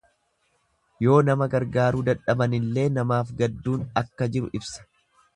Yoo nama gargaaruu dadhabanillee namaaf gadduun akka jiru ibsa.